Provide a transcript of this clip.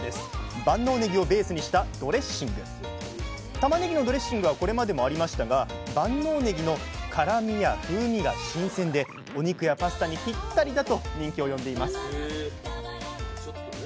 たまねぎのドレッシングはこれまでもありましたが万能ねぎの辛みや風味が新鮮でお肉やパスタにぴったりだと人気を呼んでいますへちょっとね